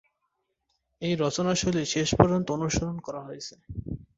এই রচনাশৈলী শেষ পর্যন্ত অনুসরণ করা হয়েছে।